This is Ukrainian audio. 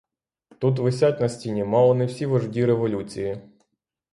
Тут висять на стіні мало не всі вожді революції.